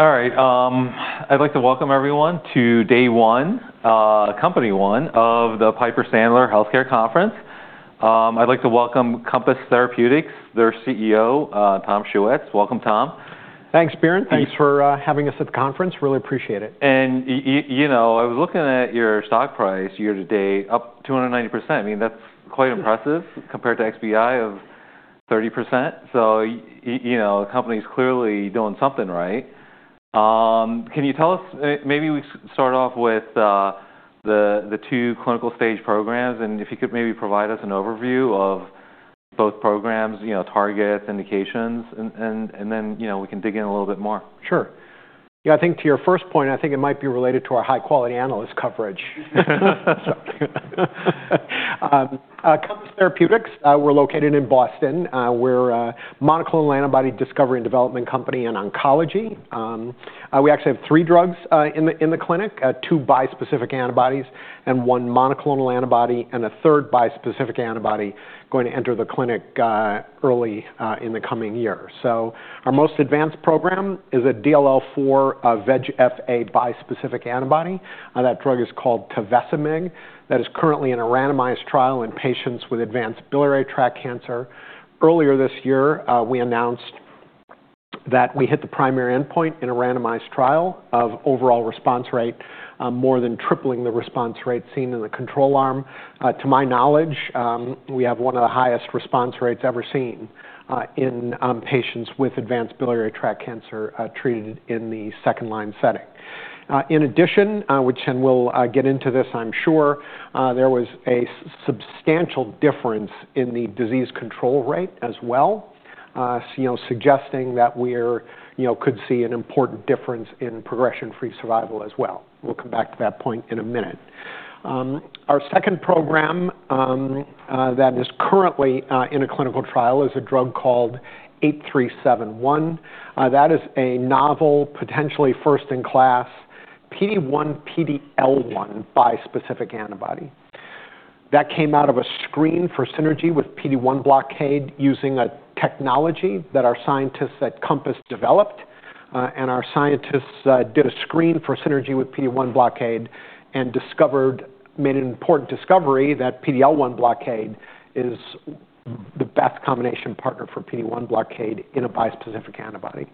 All right. I'd like to welcome everyone to day one, company one of the Piper Sandler Healthcare Conference. I'd like to welcome Compass Therapeutics, their CEO, Tom Schuetz. Welcome, Tom. Thanks, Biren. Thanks for having us at the conference. Really appreciate it. I was looking at your stock price year to date, up 290%. I mean, that's quite impressive compared to XBI of 30%. The company's clearly doing something right. Can you tell us, maybe we start off with the two clinical stage programs, and if you could maybe provide us an overview of both programs, targets, indications, and then we can dig in a little bit more. Sure. Yeah, I think to your first point, I think it might be related to our high-quality analyst coverage. Compass Therapeutics, we're located in Boston. We're a monoclonal antibody discovery and development company in oncology. We actually have three drugs in the clinic, two bispecific antibodies, and one monoclonal antibody, and a third bispecific antibody going to enter the clinic early in the coming year. Our most advanced program is a DLL4 x VEGF-A bispecific antibody. That drug is called Tovecimig. That is currently in a randomized trial in patients with advanced biliary tract cancer. Earlier this year, we announced that we hit the primary endpoint in a randomized trial of overall response rate, more than tripling the response rate seen in the control arm. To my knowledge, we have one of the highest response rates ever seen in patients with advanced biliary tract cancer treated in the second-line setting. In addition, which we'll get into this, I'm sure, there was a substantial difference in the disease control rate as well, suggesting that we could see an important difference in progression-free survival as well. We'll come back to that point in a minute. Our second program that is currently in a clinical trial is a drug called 8371. That is a novel, potentially first-in-class PD-1 x PD-L1 bispecific antibody that came out of a screen for synergy with PD-1 blockade using a technology that our scientists at Compass developed. Our scientists did a screen for synergy with PD-1 blockade and made an important discovery that PD-L1 blockade is the best combination partner for PD-1 blockade in a bispecific antibody.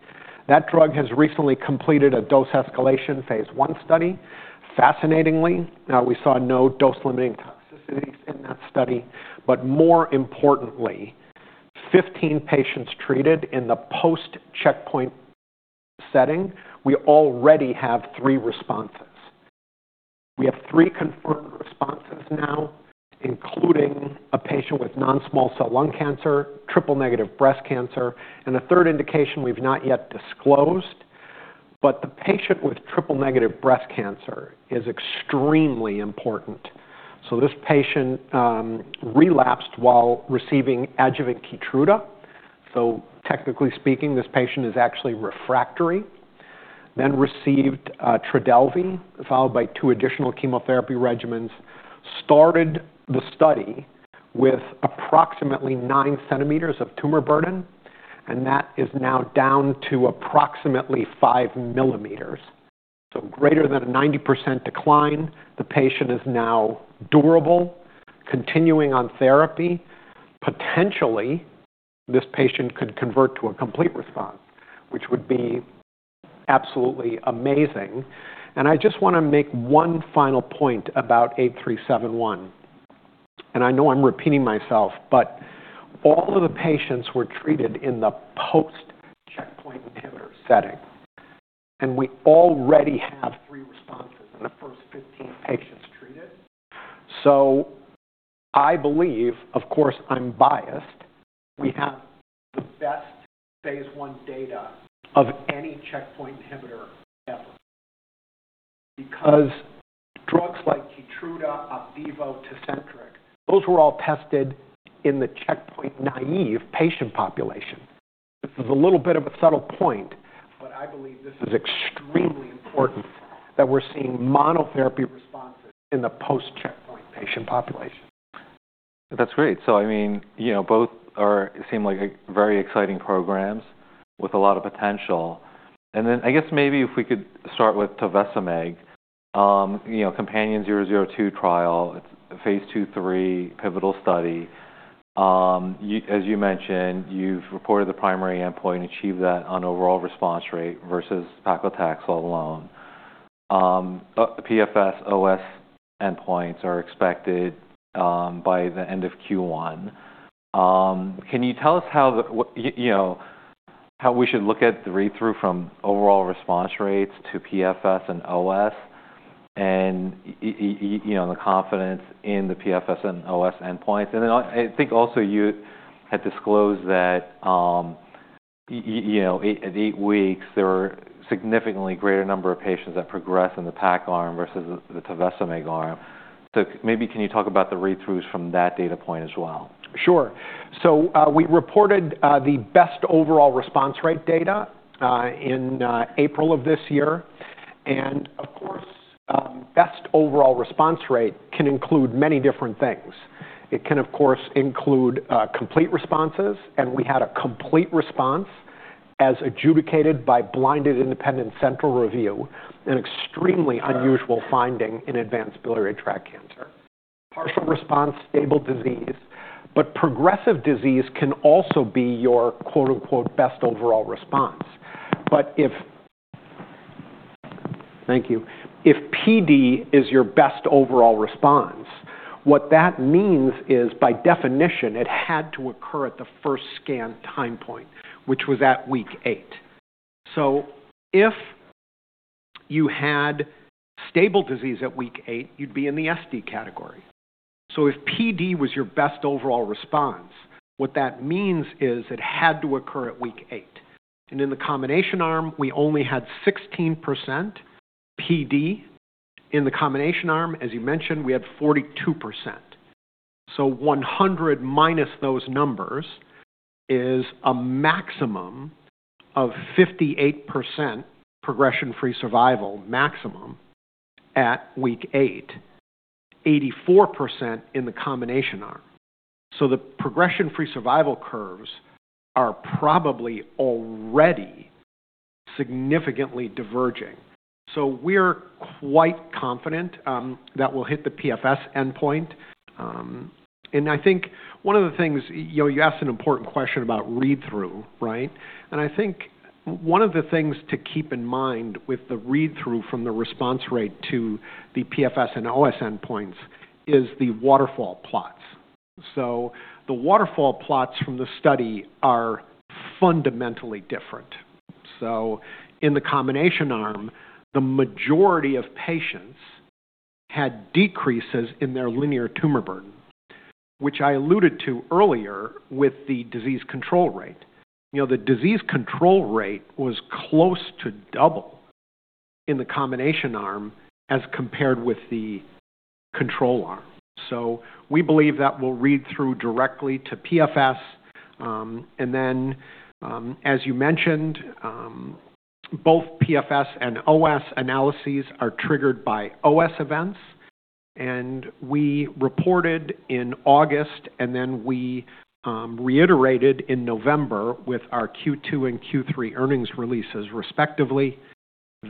That drug has recently completed a dose escalation phase I study. Fascinatingly, we saw no dose-limiting toxicities in that study. More importantly, 15 patients treated in the post-checkpoint setting, we already have three responses. We have three confirmed responses now, including a patient with non-small cell lung cancer, triple-negative breast cancer, and a third indication we've not yet disclosed. The patient with triple-negative breast cancer is extremely important. This patient relapsed while receiving Adjuvant KEYTRUDA. Technically speaking, this patient is actually refractory. Then received TRODELVY, followed by two additional chemotherapy regimens. Started the study with approximately 9 cm of tumor burden, and that is now down to approximately 5 mm. Greater than a 90% decline. The patient is now durable, continuing on therapy. Potentially, this patient could convert to a complete response, which would be absolutely amazing. I just want to make one final point about 8371. I know I'm repeating myself, but all of the patients were treated in the post-checkpoint inhibitor setting, and we already have three responses in the first 15 patients treated. I believe, of course, I'm biased, we have the best phase I data of any checkpoint inhibitor ever. Drugs like KEYTRUDA, OPDIVO, TECENTRIQ, those were all tested in the checkpoint naive patient population. This is a little bit of a subtle point, but I believe this is extremely important that we're seeing monotherapy responses in the post-checkpoint patient population. That's great. I mean, both seem like very exciting programs with a lot of potential. I guess maybe if we could start with Tovecimig, COMPANION-002 trial, it's phase II/III, pivotal study. As you mentioned, you've reported the primary endpoint, achieved that on overall response rate versus paclitaxel alone. PFS, OS endpoints are expected by the end of Q1. Can you tell us how we should look at the read-through from overall response rates to PFS and OS and the confidence in the PFS and OS endpoints? I think also you had disclosed that at eight weeks, there were a significantly greater number of patients that progressed in the PAC arm versus the Tovecimig arm. Maybe can you talk about the read-throughs from that data point as well? Sure. We reported the best overall response rate data in April of this year. Of course, best overall response rate can include many different things. It can, of course, include complete responses, and we had a complete response as adjudicated by blinded independent central review, an extremely unusual finding in advanced biliary tract cancer. Partial response, stable disease, but progressive disease can also be your "best overall response." Thank you. If PD is your best overall response, what that means is by definition, it had to occur at the first scan time point, which was at week eight. If you had stable disease at week eight, you would be in the SD category. If PD was your best overall response, what that means is it had to occur at week eight. In the combination arm, we only had 16% PD. In the combination arm, as you mentioned, we had 42%. 100 minus those numbers is a maximum of 58% progression-free survival maximum at week eight, 84% in the combination arm. The progression-free survival curves are probably already significantly diverging. We're quite confident that we'll hit the PFS endpoint. I think one of the things you asked an important question about read-through, right? I think one of the things to keep in mind with the read-through from the response rate to the PFS and OS endpoints is the waterfall plots. The waterfall plots from the study are fundamentally different. In the combination arm, the majority of patients had decreases in their linear tumor burden, which I alluded to earlier with the disease control rate. The disease control rate was close to double in the combination arm as compared with the control arm. We believe that will read through directly to PFS. As you mentioned, both PFS and OS analyses are triggered by OS events. We reported in August, and then we reiterated in November with our Q2 and Q3 earnings releases, respectively,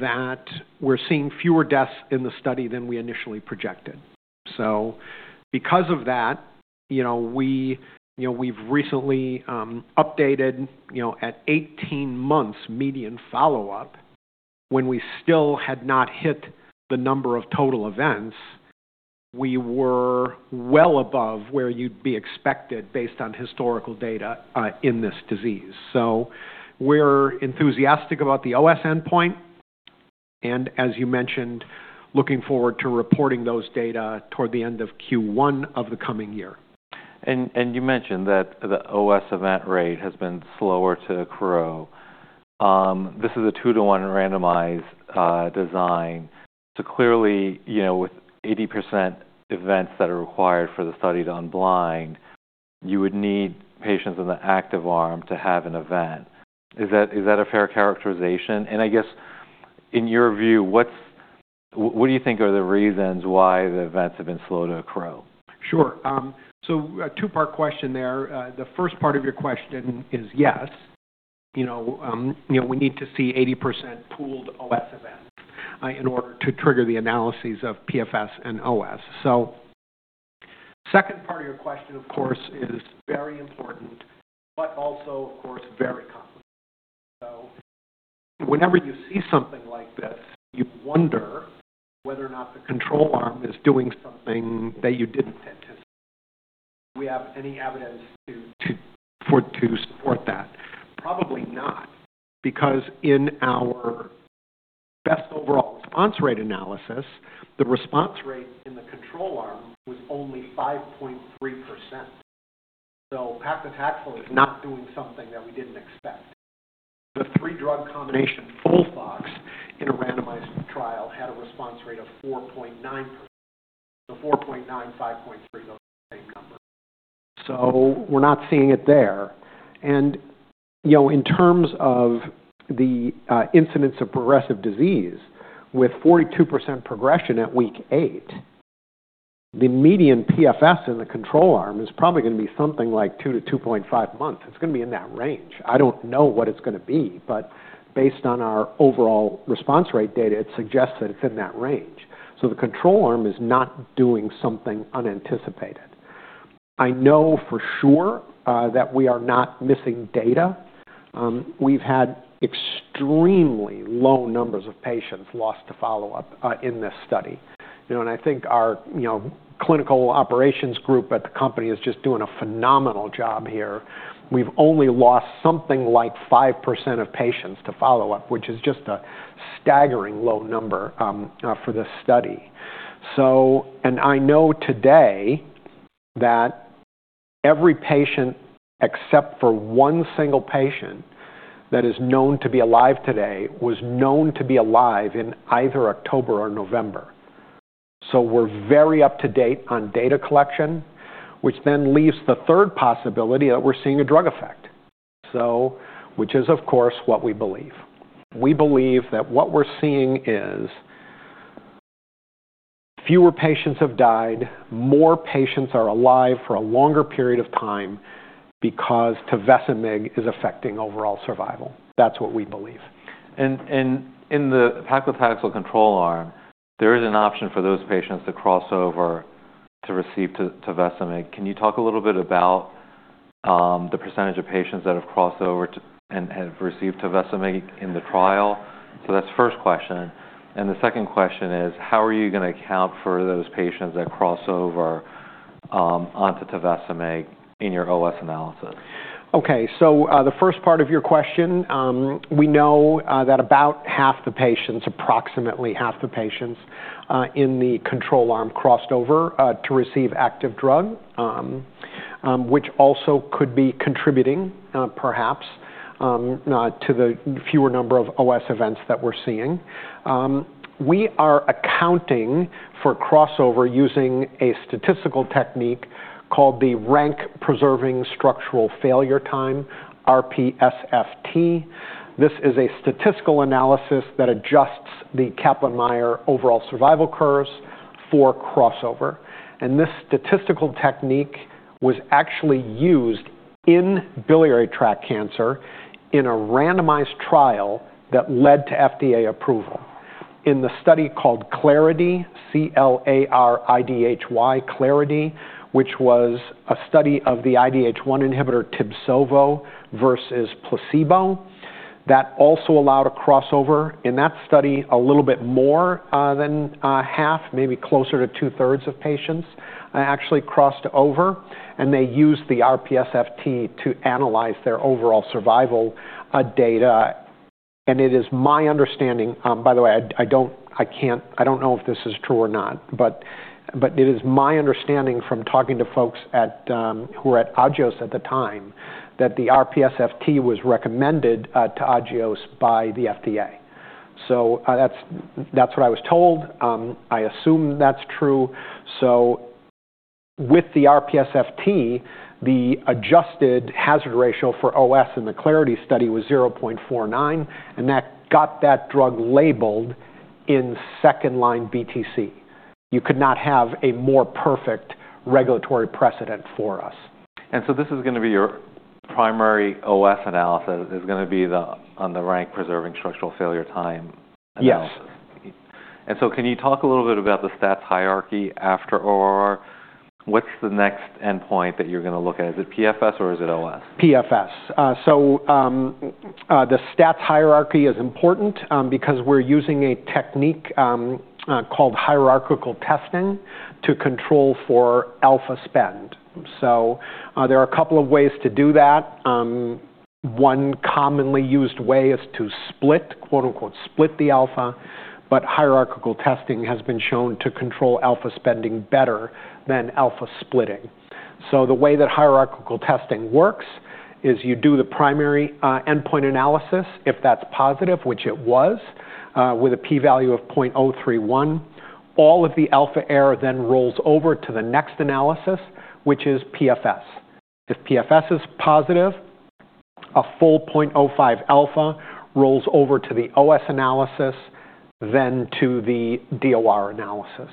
that we're seeing fewer deaths in the study than we initially projected. Because of that, we've recently updated at 18 months median follow-up. When we still had not hit the number of total events, we were well above where you'd be expected based on historical data in this disease. We're enthusiastic about the OS endpoint, and as you mentioned, looking forward to reporting those data toward the end of Q1 of the coming year. You mentioned that the OS event rate has been slower to accrue. This is a two-to-one randomized design. Clearly, with 80% events that are required for the study to unblind, you would need patients in the active arm to have an event. Is that a fair characterization? In your view, what do you think are the reasons why the events have been slow to accrue? Sure. A two-part question there. The first part of your question is yes. We need to see 80% pooled OS events in order to trigger the analyses of PFS and OS. The second part of your question, of course, is very important, but also, of course, very complicated. Whenever you see something like this, you wonder whether or not the control arm is doing something that you did not anticipate. Do we have any evidence to support that? Probably not, because in our best overall response rate analysis, the response rate in the control arm was only 5.3%. Paclitaxel is not doing something that we did not expect. The three-drug combination FOLFOX in a randomized trial had a response rate of 4.9%. So 4.9%, 5.3%, those are the same numbers. We are not seeing it there. In terms of the incidence of progressive disease, with 42% progression at week eight, the median PFS in the control arm is probably going to be something like 2 months-2.5 months. It's going to be in that range. I don't know what it's going to be, but based on our overall response rate data, it suggests that it's in that range. The control arm is not doing something unanticipated. I know for sure that we are not missing data. We've had extremely low numbers of patients lost to follow-up in this study. I think our clinical operations group at the company is just doing a phenomenal job here. We've only lost something like 5% of patients to follow-up, which is just a staggering low number for this study. I know today that every patient, except for one single patient that is known to be alive today, was known to be alive in either October or November. We are very up to date on data collection, which then leaves the third possibility that we are seeing a drug effect, which is, of course, what we believe. We believe that what we are seeing is fewer patients have died, more patients are alive for a longer period of time because Tovecimig is affecting overall survival. That is what we believe. In the paclitaxel control arm, there is an option for those patients to crossover to receive Tovecimig. Can you talk a little bit about the percentage of patients that have crossed over and have received Tovecimig in the trial? The first question is, how are you going to account for those patients that crossover onto Tovecimig in your OS analysis? Okay. The first part of your question, we know that about half the patients, approximately half the patients in the control arm crossed over to receive active drug, which also could be contributing perhaps to the fewer number of OS events that we're seeing. We are accounting for crossover using a statistical technique called the Rank Preserving Structural Failure Time, RPSFT. This is a statistical analysis that adjusts the Kaplan-Meier overall survival curves for crossover. This statistical technique was actually used in biliary tract cancer in a randomized trial that led to FDA approval in the study called ClarIDHy, C-l-a-r-I-D-H-y, ClarIDHy, which was a study of the IDH1 inhibitor Tibsovo versus placebo. That also allowed a crossover in that study a little bit more than 1/2, maybe closer to 2/3 of patients actually crossed over, and they used the RPSFT to analyze their overall survival data. It is my understanding—by the way, I don't know if this is true or not—but it is my understanding from talking to folks who were at Agios at the time that the RPSFT was recommended to Agios by the FDA. That is what I was told. I assume that is true. With the RPSFT, the adjusted hazard ratio for OS in the ClarIDHy study was 0.49x, and that got that drug labeled in second-line BTC. You could not have a more perfect regulatory precedent for us. This is going to be your primary OS analysis is going to be on the Rank Preserving Structural Failure Time analysis. Yes. Can you talk a little bit about the stats hierarchy after OR? What's the next endpoint that you're going to look at? Is it PFS or is it OS? PFS. The stats hierarchy is important because we're using a technique called hierarchical testing to control for alpha spend. There are a couple of ways to do that. One commonly used way is to "split" the alpha, but hierarchical testing has been shown to control alpha spending better than alpha splitting. The way that hierarchical testing works is you do the primary endpoint analysis, if that's positive, which it was, with a p-value of 0.031. All of the alpha error then rolls over to the next analysis, which is PFS. If PFS is positive, a full 0.05 alpha rolls over to the OS analysis, then to the DOR analysis.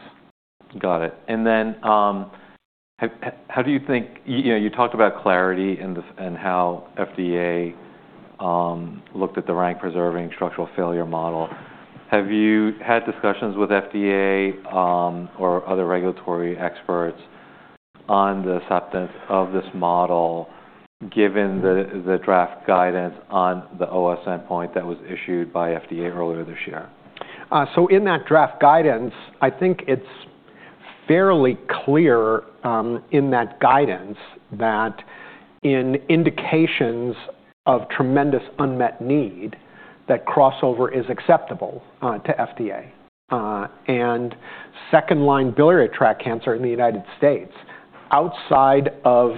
Got it. How do you think you talked about ClarIDHy and how FDA looked at the Rank Preserving Structural Failure model? Have you had discussions with FDA or other regulatory experts on the acceptance of this model, given the draft guidance on the OS endpoint that was issued by FDA earlier this year? In that draft guidance, I think it's fairly clear in that guidance that in indications of tremendous unmet need, that crossover is acceptable to FDA. In second-line biliary tract cancer in the United States, outside of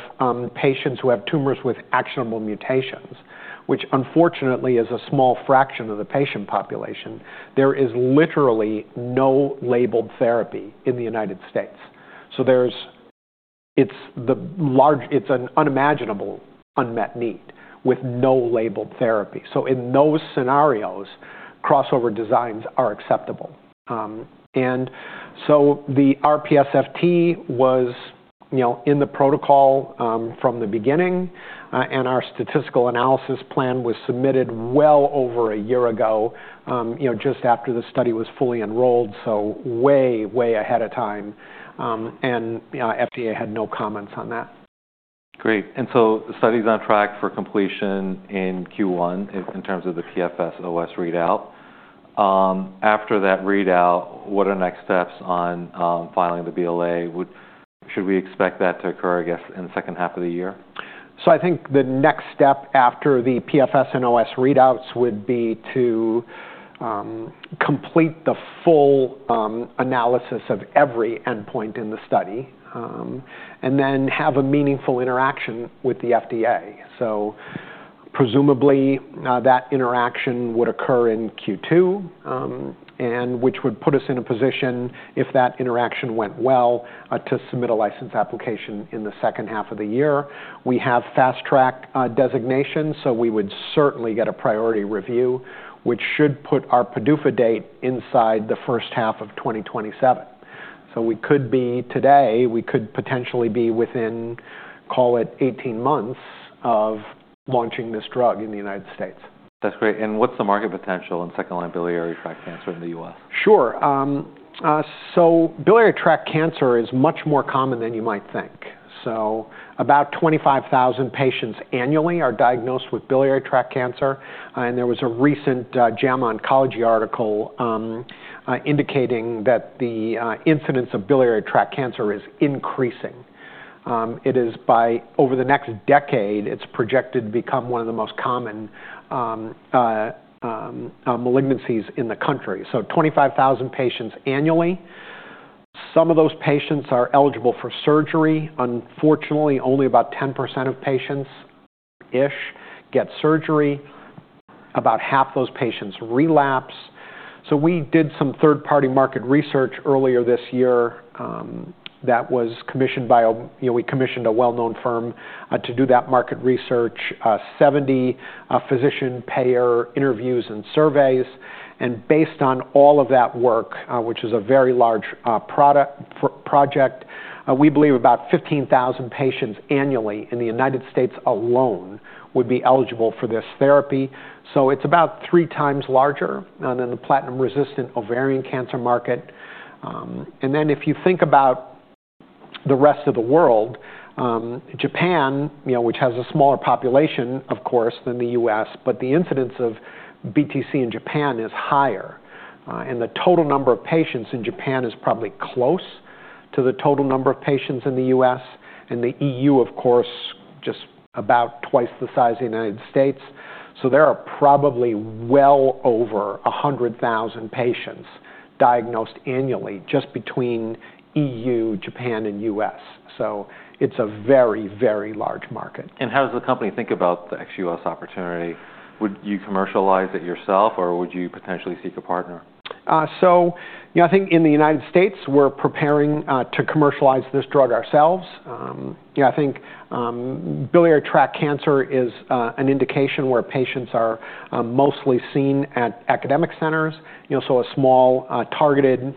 patients who have tumors with actionable mutations, which unfortunately is a small fraction of the patient population, there is literally no labeled therapy in the United States. It's an unimaginable unmet need with no labeled therapy. In those scenarios, crossover designs are acceptable. The RPSFT was in the protocol from the beginning, and our statistical analysis plan was submitted well over a year ago, just after the study was fully enrolled, way, way ahead of time. FDA had no comments on that. Great. The study's on track for completion in Q1 in terms of the PFS/OS readout. After that readout, what are next steps on filing the BLA? Should we expect that to occur, I guess, in the second half of the year? I think the next step after the PFS and OS readouts would be to complete the full analysis of every endpoint in the study and then have a meaningful interaction with the FDA. Presumably, that interaction would occur in Q2, which would put us in a position, if that interaction went well, to submit a license application in the second half of the year. We have fast-track designation, so we would certainly get a priority review, which should put our PDUFA date inside the first half of 2027. We could potentially be within, call it, 18 months of launching this drug in the United States. That's great. What's the market potential in second-line biliary tract cancer in the U.S.? Sure. Biliary tract cancer is much more common than you might think. About 25,000 patients annually are diagnosed with biliary tract cancer. There was a recent JAMA Oncology article indicating that the incidence of biliary tract cancer is increasing. Over the next decade, it is projected to become one of the most common malignancies in the country. So 25,000 patients annually. Some of those patients are eligible for surgery. Unfortunately, only about 10% of patients-ish get surgery. About half those patients relapse. We did some third-party market research earlier this year that was commissioned by—we commissioned a well-known firm to do that market research, 70 physician-payer interviews and surveys. Based on all of that work, which is a very large project, we believe about 15,000 patients annually in the United States alone would be eligible for this therapy. It is about three times larger than the platinum-resistant ovarian cancer market. If you think about the rest of the world, Japan, which has a smaller population, of course, than the U.S., but the incidence of BTC in Japan is higher. The total number of patients in Japan is probably close to the total number of patients in the U.S.. The EU, of course, is just about twice the size of the United States. There are probably well over 100,000 patients diagnosed annually just between the EU, Japan, and U.S. It is a very, very large market. How does the company think about the ex-U.S. opportunity? Would you commercialize it yourself, or would you potentially seek a partner? I think in the United States, we're preparing to commercialize this drug ourselves. I think biliary tract cancer is an indication where patients are mostly seen at academic centers, so a small targeted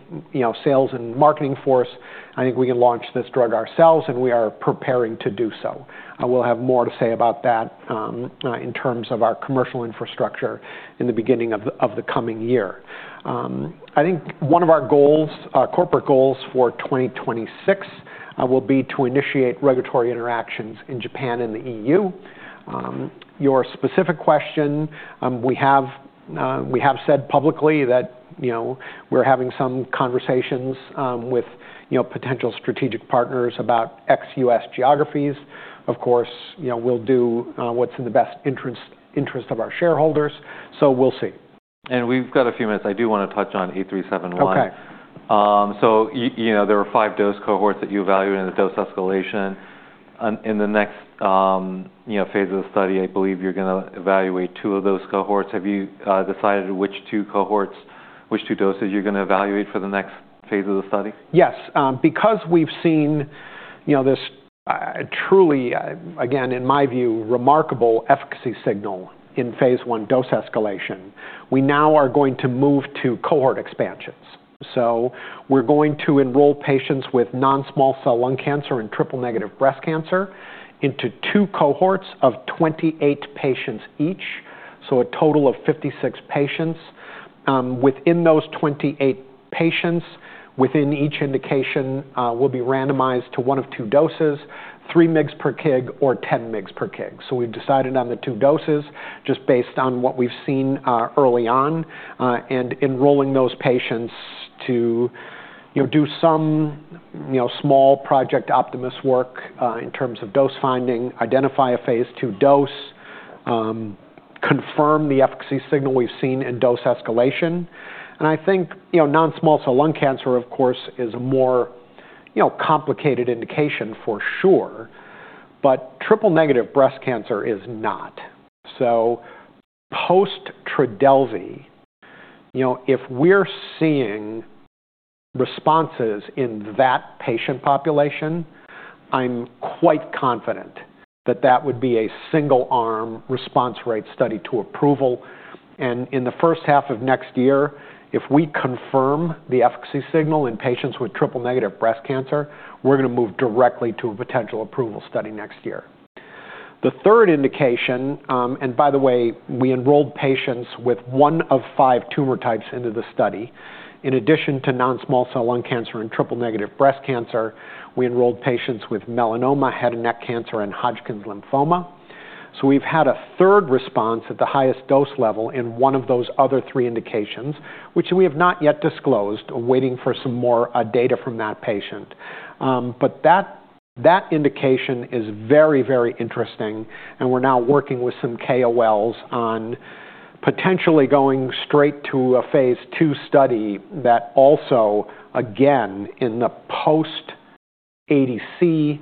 sales and marketing force. I think we can launch this drug ourselves, and we are preparing to do so. We'll have more to say about that in terms of our commercial infrastructure in the beginning of the coming year. I think one of our corporate goals for 2026 will be to initiate regulatory interactions in Japan and the EU. Your specific question, we have said publicly that we're having some conversations with potential strategic partners about ex-U.S. geographies. Of course, we'll do what's in the best interest of our shareholders. We'll see. We have a few minutes. I do want to touch on 8371. Okay. There are five dose cohorts that you evaluated in the dose escalation. In the next phase of the study, I believe you're going to evaluate two of those cohorts. Have you decided which two doses you're going to evaluate for the next phase of the study? Yes. Because we've seen this truly, again, in my view, remarkable efficacy signal in phase I dose escalation, we now are going to move to cohort expansions. We are going to enroll patients with non-small cell lung cancer and triple-negative breast cancer into two cohorts of 28 patients each, so a total of 56 patients. Within those 28 patients, within each indication, they will be randomized to one of two doses, 3 mg per kg or 10 mg per kg. We have decided on the two doses just based on what we've seen early on and enrolling those patients to do some small Project Optimus work in terms of dose finding, identify a phase II dose, confirm the efficacy signal we've seen in dose escalation. I think non-small cell lung cancer, of course, is a more complicated indication for sure, but triple-negative breast cancer is not. Post-Trodelvy, if we're seeing responses in that patient population, I'm quite confident that that would be a single-arm response rate study to approval. In the first half of next year, if we confirm the efficacy signal in patients with triple-negative breast cancer, we're going to move directly to a potential approval study next year. The third indication, and by the way, we enrolled patients with one of five tumor types into the study. In addition to non-small cell lung cancer and triple-negative breast cancer, we enrolled patients with melanoma, head and neck cancer, and Hodgkin's lymphoma. We've had a third response at the highest dose level in one of those other three indications, which we have not yet disclosed, waiting for some more data from that patient. That indication is very, very interesting, and we're now working with some KOLs on potentially going straight to a phase II study that also, again, in the post-ADC,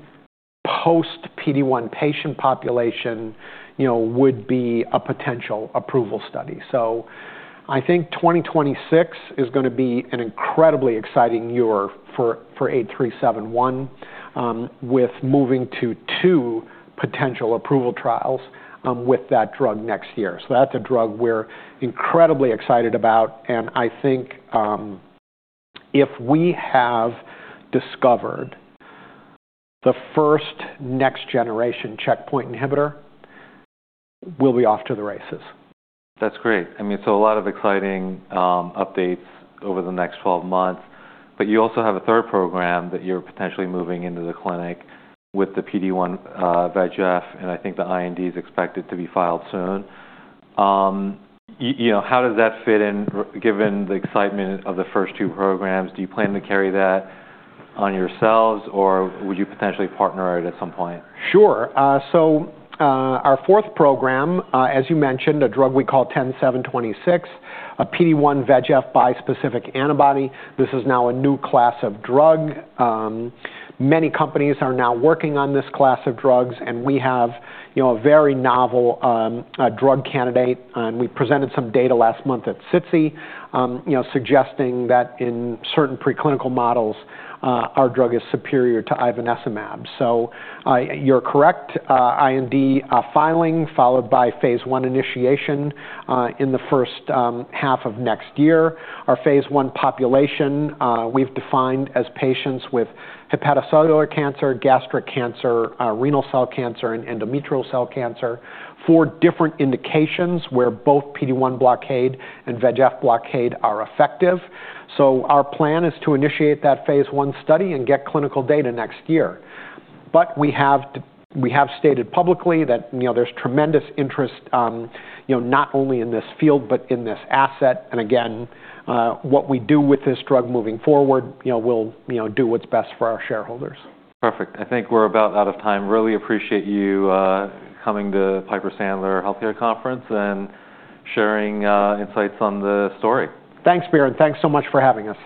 post-PD-1 patient population, would be a potential approval study. I think 2026 is going to be an incredibly exciting year for 8371, with moving to two potential approval trials with that drug next year. That's a drug we're incredibly excited about. I think if we have discovered the first next-generation checkpoint inhibitor, we'll be off to the races. That's great. I mean, a lot of exciting updates over the next 12 months. You also have a third program that you're potentially moving into the clinic with the PD-1/VEGF, and I think the IND is expected to be filed soon. How does that fit in, given the excitement of the first two programs? Do you plan to carry that on yourselves, or would you potentially partner it at some point? Sure. Our fourth program, as you mentioned, a drug we call 10726, a PD-1/VEGF bispecific antibody. This is now a new class of drug. Many companies are now working on this class of drugs, and we have a very novel drug candidate. We presented some data last month at SITC, suggesting that in certain preclinical models, our drug is superior to Ivonescimab. You are correct. IND filing followed by phase I initiation in the first half of next year. Our phase I population, we have defined as patients with hepatocellular cancer, gastric cancer, renal cell cancer, and endometrial cell cancer, four different indications where both PD-1 blockade and VEGF blockade are effective. Our plan is to initiate that phase I study and get clinical data next year. We have stated publicly that there is tremendous interest, not only in this field, but in this asset. What we do with this drug moving forward, we'll do what's best for our shareholders. Perfect. I think we're about out of time. Really appreciate you coming to Piper Sandler Healthcare Conference and sharing insights on the story. Thanks, Biren. Thanks so much for having us.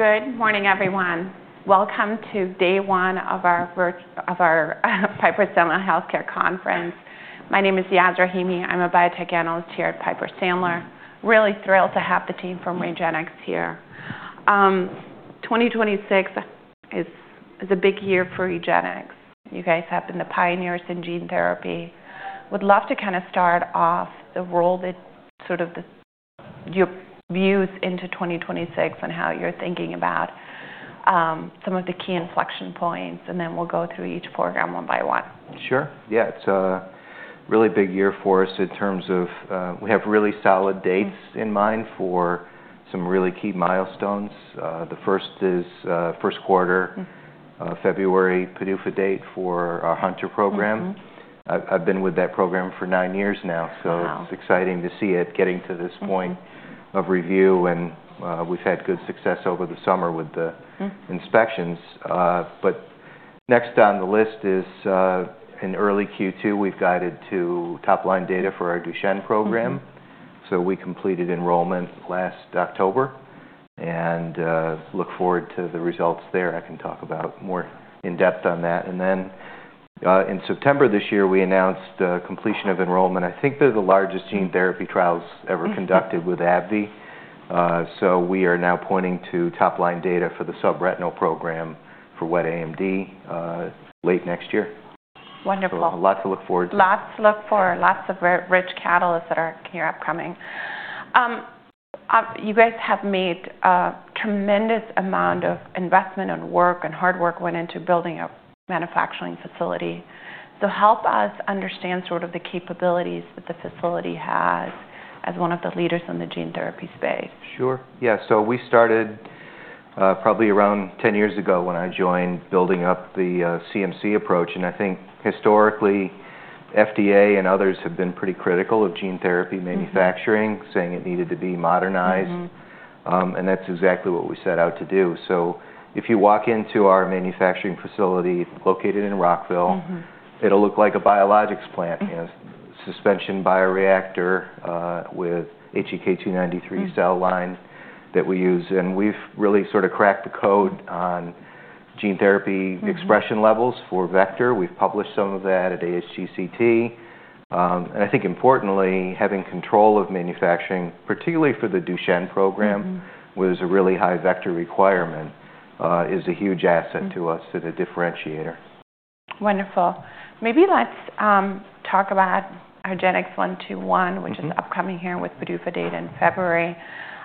Good morning, everyone. Welcome to day one of our Piper Sandler Healthcare Conference. My name is Yasmeen Rahimi. I'm a Biotech Analyst here at Piper Sandler. Really thrilled to have the team from REGENX here. 2026 is a big year for REGENX. You guys have been the pioneers in gene therapy. Would love to kind of start off the role that sort of your views into 2026 and how you're thinking about some of the key inflection points, and then we'll go through each program one by one. Sure. Yeah. It's a really big year for us in terms of we have really solid dates in mind for some really key milestones. The first is first quarter, February PDUFA date for our Hunter program. I've been with that program for nine years now, so it's exciting to see it getting to this point of review. We've had good success over the summer with the inspections. Next on the list is in early Q2, we've guided to top-line data for our Duchenne program. We completed enrollment last October and look forward to the results there. I can talk about more in depth on that. In September this year, we announced completion of enrollment. I think they're the largest gene therapy trials ever conducted with AbbVie. We are now pointing to top-line data for the subretinal program for wet AMD late next year. Wonderful. Lots to look forward to. Lots to look for, lots of rich catalysts that are upcoming. You guys have made a tremendous amount of investment and work and hard work went into building a manufacturing facility. Help us understand sort of the capabilities that the facility has as one of the leaders in the gene therapy space. Sure. Yeah. We started probably around 10 years ago when I joined building up the CMC approach. I think historically, FDA and others have been pretty critical of gene therapy manufacturing, saying it needed to be modernized. That is exactly what we set out to do. If you walk into our manufacturing facility located in Rockville, it will look like a biologics plant, suspension bioreactor with HEK293 cell line that we use. We have really sort of cracked the code on gene therapy expression levels for vector. We have published some of that at ASGCT. I think importantly, having control of manufacturing, particularly for the Duchenne program, which has a really high vector requirement, is a huge asset to us, a differentiator. Wonderful. Maybe let's talk about our RGX-121, which is upcoming here with PDUFA date in February.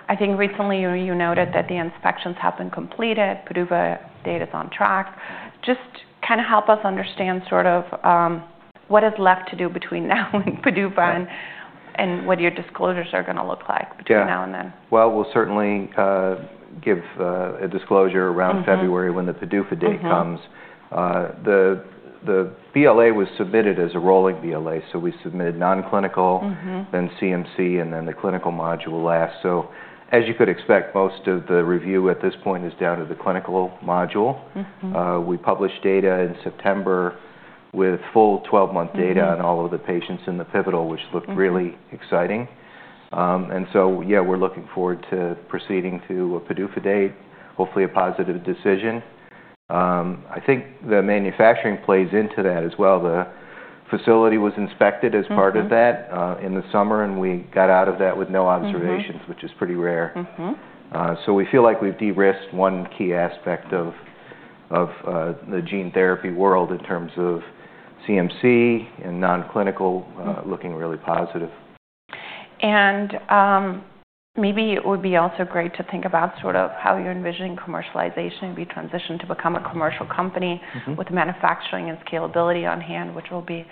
I think recently you noted that the inspections have been completed. PDUFA date is on track. Just kind of help us understand sort of what is left to do between now and PDUFA and what your disclosures are going to look like between now and then. Yeah. We'll certainly give a disclosure around February when the PDUFA date comes. The BLA was submitted as a rolling BLA. We submitted non-clinical, then CMC, and then the clinical module last. As you could expect, most of the review at this point is down to the clinical module. We published data in September with full 12-month data on all of the patients in the pivotal, which looked really exciting. Yeah, we're looking forward to proceeding to a PDUFA date, hopefully a positive decision. I think the manufacturing plays into that as well. The facility was inspected as part of that in the summer, and we got out of that with no observations, which is pretty rare. We feel like we've de-risked one key aspect of the gene therapy world in terms of CMC and non-clinical, looking really positive. Maybe it would be also great to think about sort of how you're envisioning commercialization and be transitioned to become a commercial company with manufacturing and scalability on hand, which will be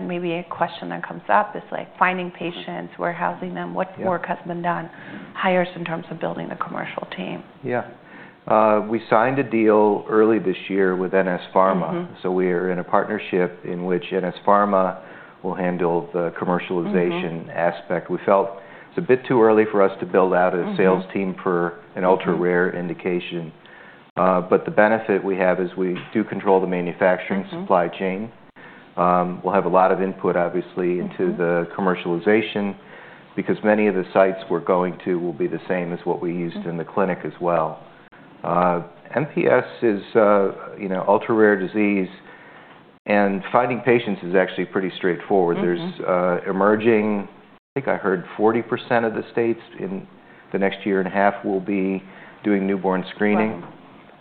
maybe a question that comes up is like finding patients, warehousing them, what work has been done, hires in terms of building the commercial team. Yeah. We signed a deal early this year with NS Pharma. We are in a partnership in which NS Pharma will handle the commercialization aspect. We felt it's a bit too early for us to build out a sales team for an ultra-rare indication. The benefit we have is we do control the manufacturing supply chain. We'll have a lot of input, obviously, into the commercialization because many of the sites we're going to will be the same as what we used in the clinic as well. MPS is ultra-rare disease, and finding patients is actually pretty straightforward. There's emerging, I think I heard 40% of the states in the next year and a half will be doing newborn screening.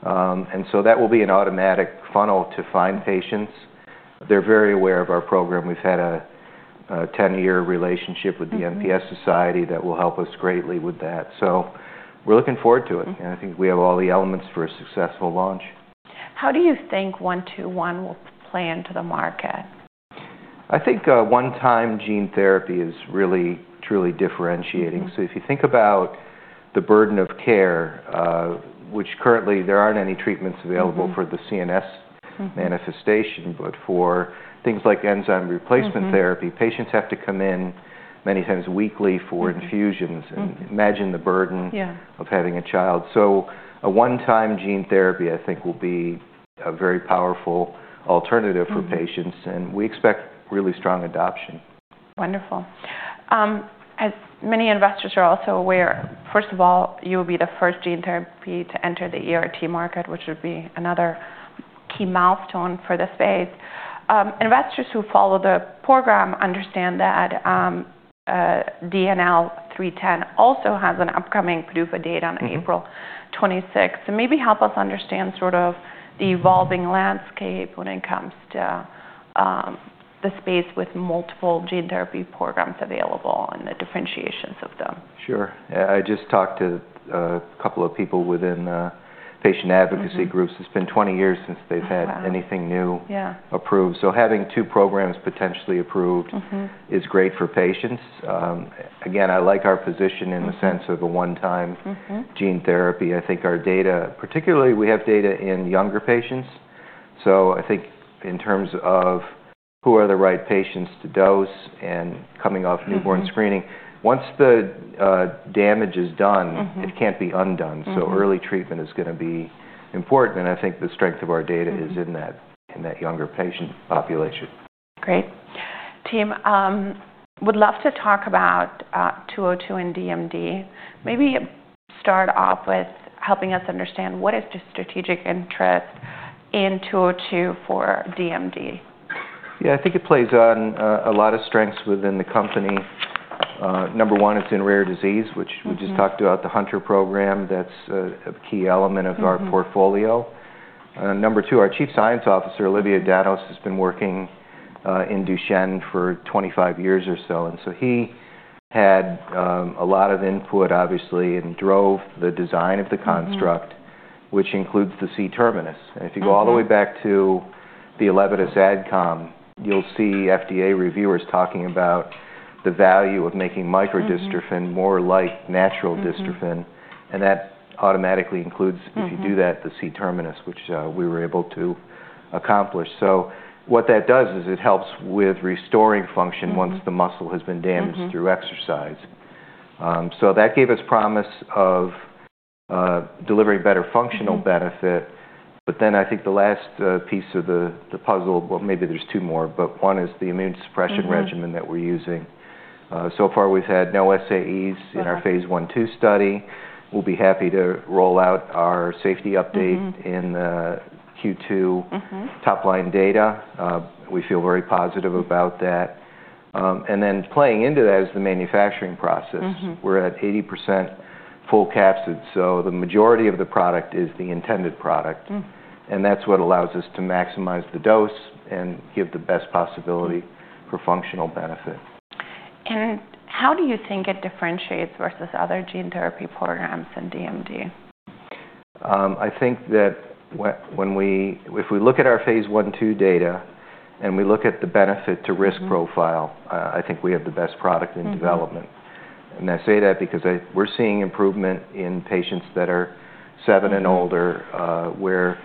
That will be an automatic funnel to find patients. They're very aware of our program. We've had a 10-year relationship with the MPS Society that will help us greatly with that. We are looking forward to it. I think we have all the elements for a successful launch. How do you think 121 will play into the market? I think one-time gene therapy is really, truly differentiating. If you think about the burden of care, which currently there aren't any treatments available for the CNS manifestation, for things like enzyme replacement therapy, patients have to come in many times weekly for infusions. Imagine the burden of having a child. A one-time gene therapy, I think, will be a very powerful alternative for patients. We expect really strong adoption. Wonderful. As many investors are also aware, first of all, you will be the first gene therapy to enter the ERT market, which would be another key milestone for the space. Investors who follow the program understand that DNL310 also has an upcoming PDUFA date on April 26th. Maybe help us understand sort of the evolving landscape when it comes to the space with multiple gene therapy programs available and the differentiations of them. Sure. Yeah. I just talked to a couple of people within patient advocacy groups. It's been 20 years since they've had anything new approved. Having two programs potentially approved is great for patients. Again, I like our position in the sense of a one-time gene therapy. I think our data, particularly we have data in younger patients. I think in terms of who are the right patients to dose and coming off newborn screening, once the damage is done, it can't be undone. Early treatment is going to be important. I think the strength of our data is in that younger patient population. Great. Team, would love to talk about 202 and DMD. Maybe start off with helping us understand what is the strategic interest in 202 for DMD. Yeah. I think it plays on a lot of strengths within the company. Number one, it's in rare disease, which we just talked about the Hunter program. That's a key element of our portfolio. Number two, our Chief Science Officer, Olivier Danos, has been working in Duchenne for 25 years or so. He had a lot of input, obviously, and drove the design of the construct, which includes the C-terminus. If you go all the way back to the 11S adcom, you'll see FDA reviewers talking about the value of making microdystrophin more like natural dystrophin. That automatically includes, if you do that, the C-terminus, which we were able to accomplish. What that does is it helps with restoring function once the muscle has been damaged through exercise. That gave us promise of delivering better functional benefit. I think the last piece of the puzzle, well, maybe there's two more, but one is the immune suppression regimen that we're using. So far, we've had no SAEs in our phase I/II study. We'll be happy to roll out our safety update in Q2 top-line data. We feel very positive about that. Then playing into that is the manufacturing process. We're at 80% full capsid. So the majority of the product is the intended product. That's what allows us to maximize the dose and give the best possibility for functional benefit. How do you think it differentiates versus other gene therapy programs in DMD? I think that if we look at our phase one two data and we look at the benefit to risk profile, I think we have the best product in development. I say that because we're seeing improvement in patients that are seven and older, where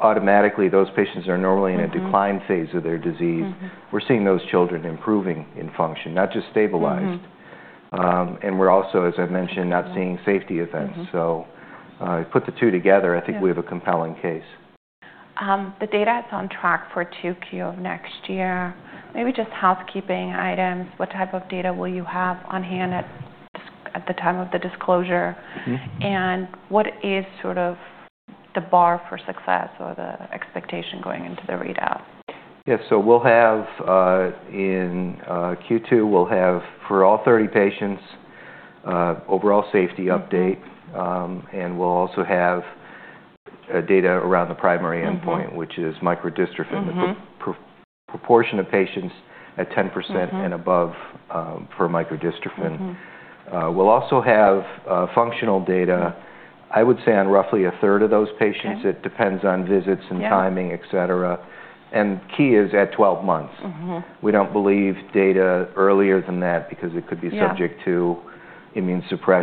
automatically those patients are normally in a decline phase of their disease. We're seeing those children improving in function, not just stabilized. We're also, as I mentioned, not seeing safety events. Put the two together, I think we have a compelling case. The data is on track for 2Q of next year. Maybe just housekeeping items. What type of data will you have on hand at the time of the disclosure? What is sort of the bar for success or the expectation going into the readout? Yeah. We'll have in Q2, we'll have for all 30 patients, overall safety update. We'll also have data around the primary endpoint, which is microdystrophin, the proportion of patients at 10% and above for microdystrophin. We'll also have functional data, I would say on roughly 1/3 of those patients. It depends on visits and timing, etc. Key is at 12 months. We don't believe data earlier than that because it could be subject to immune suppression.